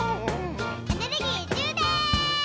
エネルギーじゅうでん！